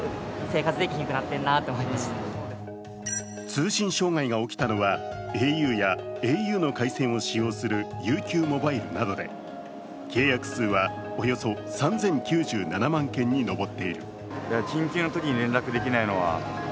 通信障害が起きたのはａｕやａｕの回線を使用するＵＱモバイルなどで、契約数はおよそ３０９７万件に上っている。